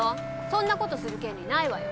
そんな事する権利ないわよ。